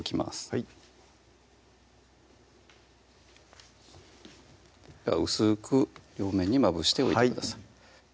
はい薄く両面にまぶしておいてください